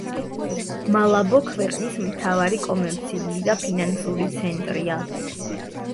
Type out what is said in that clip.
მალაბო ქვეყნის მთავარი კომერციული და ფინანსური ცენტრია.